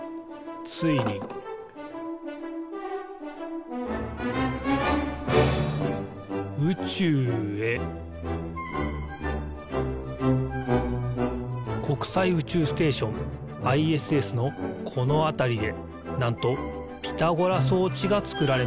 ついに宇宙へ国際宇宙ステーションＩＳＳのこのあたりでなんとピタゴラそうちがつくられました。